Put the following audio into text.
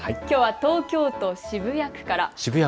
きょうは東京都渋谷区から。